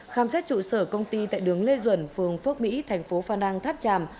khám xét trụ sở công ty tại đường lê duẩn phường phước mỹ thành phố phan rang tháp tràm